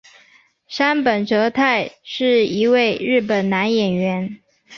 杉本哲太是一位日本男演员。